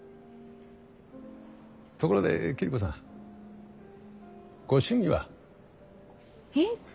ところで桐子さんご趣味は？えっ？